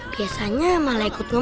biasanya malah ikut ngemelin